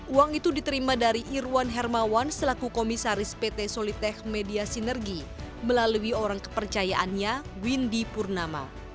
uang itu diterima dari irwan hermawan selaku komisaris pt solitech media sinergi melalui orang kepercayaannya windy purnama